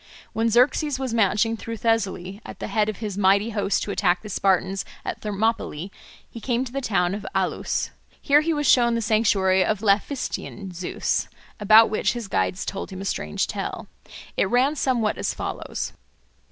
When Xerxes was marching through Thessaly at the head of his mighty host to attack the Spartans at Thermopylae, he came to the town of Alus. Here he was shown the sanctuary of Laphystian Zeus, about which his guides told him a strange tale. It ran somewhat as follows.